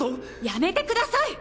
やめてください！